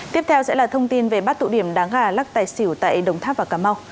tiếp theo sẽ là thông tin về bắt tụ điểm đá gà lắc tài xỉu tại đồng tháp và cà mau